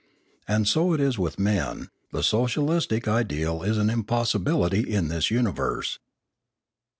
And so it is with men; the socialistic ideal is an impossibility in this universe.